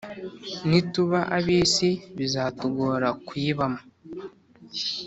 Nituba ab’ isi bizatugora kuyibamo